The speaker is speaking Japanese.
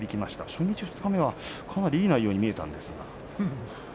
初日、二日はかなりいい内容に見えたんですが。